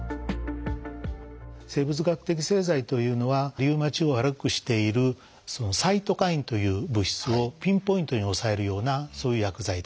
生物学的製剤というのはリウマチを悪くしているサイトカインという物質をピンポイントに抑えるようなそういう薬剤です。